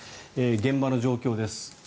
現場の状況です。